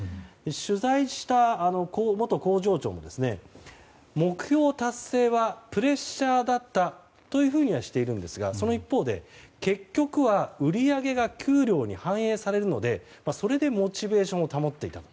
取材した元工場長も、目標達成はプレッシャーだったとはしていますがその一方で、結局は売り上げが給料に反映されるのでそれでモチベーションを保っていたと。